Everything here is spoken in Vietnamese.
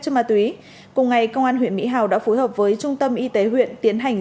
chất ma túy cùng ngày công an huyện mỹ hào đã phối hợp với trung tâm y tế huyện tiến hành